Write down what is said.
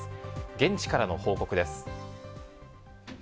現地からの報告です。